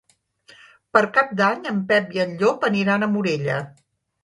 Per Cap d'Any en Pep i en Llop aniran a Morella.